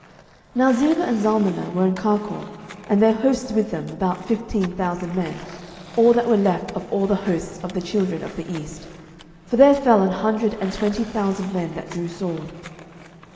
07:008:010 Now Zebah and Zalmunna were in Karkor, and their hosts with them, about fifteen thousand men, all that were left of all the hosts of the children of the east: for there fell an hundred and twenty thousand men that drew sword.